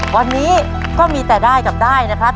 วันนี้ก็มีแต่ได้กับได้นะครับ